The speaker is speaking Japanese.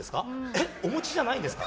えっ、お持ちじゃないんですか？